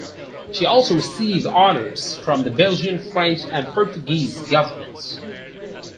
She also received honours from the Belgian, French, and Portuguese governments.